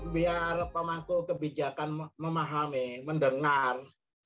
biar pemangku kebijakan memahami mendengar